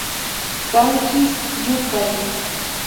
Kanchis yupay